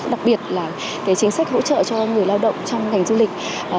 đặc biệt là chính sách hỗ trợ cho người lao động trong ngành du lịch